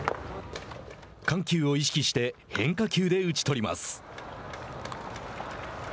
緩急を意識して変化球で打ち取ります。